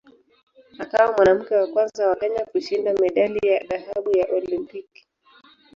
Akawa mwanamke wa kwanza wa Kenya kushinda medali ya dhahabu ya Olimpiki.